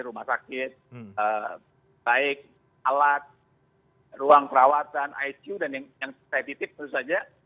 rumah sakit baik alat ruang perawatan icu dan yang saya titip tentu saja